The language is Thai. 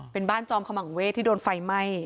เป็นบ้านจอมขมังเวทที่โดนไฟไหม้